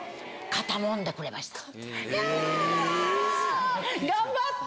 肩もんでくれた。